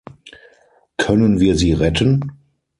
Können wir sie retten?